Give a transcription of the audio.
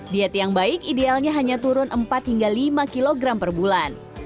diet yang baik idealnya hanya turun empat hingga lima kg per bulan